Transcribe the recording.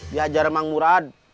dihajar emang murad